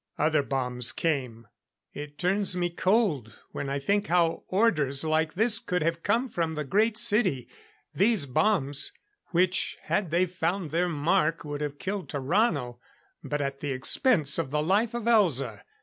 Other bombs came. It turns me cold when I think how orders like this could have come from the Great City these bombs which had they found their mark would have killed Tarrano, but at the expense of the life of Elza.